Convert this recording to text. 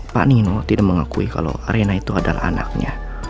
pak nino tidak mengakui kalau arena itu adalah anaknya